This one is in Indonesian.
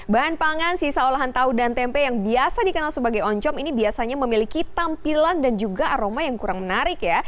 bahan pangan sisa olahan tahu dan tempe yang biasa dikenal sebagai oncom ini biasanya memiliki tampilan dan juga aroma yang kurang menarik ya